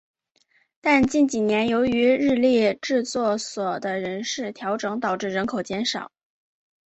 但近几年由于日立制作所的人事调整导致人口减少。